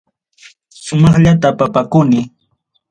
Sumaqlla tapapakuni.